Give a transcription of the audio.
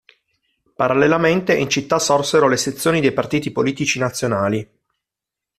Parallelamente in città sorsero le sezioni dei partiti politici nazionali.